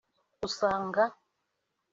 usanga